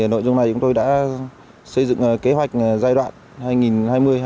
nội dung này chúng tôi đã xây dựng kế hoạch giai đoạn hai nghìn hai mươi hai nghìn hai mươi năm